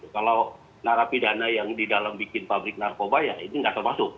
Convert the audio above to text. kalau narapidana yang di dalam bikin pabrik narkoba ya ini nggak termasuk